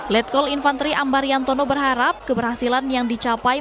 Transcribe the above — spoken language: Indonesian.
letkol infantri ambarian tono berharap keberhasilan yang dicapai